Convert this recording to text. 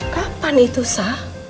kapan itu sa